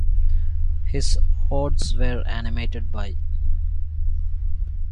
His odes were animated by...